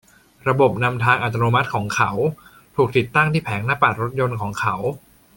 ระบบนำทางอัตโนมัติของเขา ถูกติดตั้งที่แผงหน้าปัดรถยนต์ของเขา